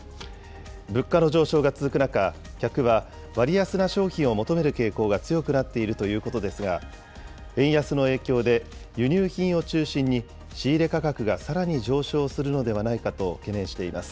物価の上昇が続く中、客は割安な商品を求める傾向が強くなっているということですが、円安の影響で輸入品を中心に仕入れ価格がさらに上昇するのではないかと懸念しています。